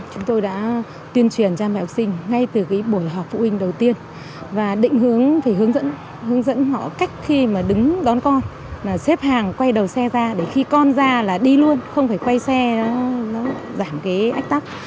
chúng tôi đã tuyên truyền cho mẹ học sinh ngay từ cái buổi học phụ huynh đầu tiên và định hướng phải hướng dẫn hướng dẫn họ cách khi mà đứng đón con là xếp hàng quay đầu xe ra để khi con ra là đi luôn không phải quay xe nó giảm cái ách tắc